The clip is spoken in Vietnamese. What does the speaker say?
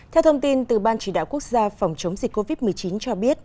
theo thông tin từ ban chỉ đạo quốc gia phòng chống dịch covid một mươi chín cho biết